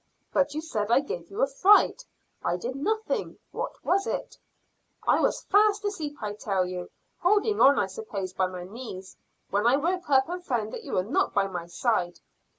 "But you said I gave you a fright. I did nothing. What was it?" "I was fast asleep, I tell you, holding on I suppose by my knees, when I woke up and found that you were not by my side."